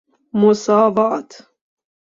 مساوات